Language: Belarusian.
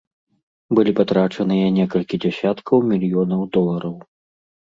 Былі патрачаныя некалькі дзясяткаў мільёнаў долараў.